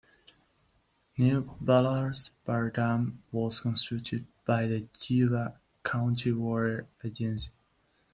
New Bullards Bar Dam was constructed by the Yuba County Water Agency.